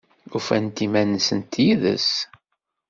Ufant iman-nsent yid-s?